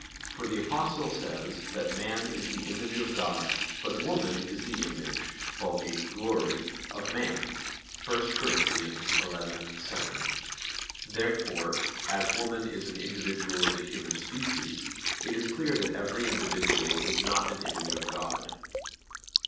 For the Apostle says that "man is the image of God, but woman is the image [Vulg. glory] of man" (1 Cor. 11:7). Therefore, as woman is an individual of the human species, it is clear that every individual is not an image of God.